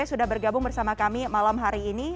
sudah bergabung bersama kami malam hari ini